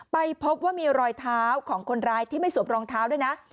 ไปพบว่ามีรอยเท้าของคนร้ายที่ไม่สวมรองเท้าด้วยนะ